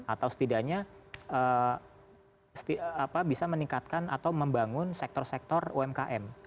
atau setidaknya bisa meningkatkan atau membangun sektor sektor umkm